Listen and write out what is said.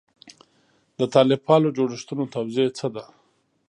د طالب پالو جوړښتونو توضیح څه ده.